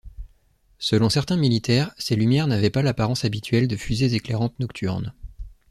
Selon certains militaires, ces lumières n'avaient pas l'apparence habituelle de fusées éclairantes nocturnes.